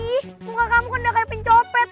ih muka kamu kan udah kayak pencopet